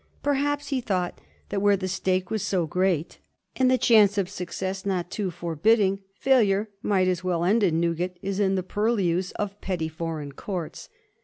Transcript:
Perhaps he thought that where the stake was so great, and the chance of success not too forbidding, failure might as well end in Newgate as in the purlieus of petty foreign courts.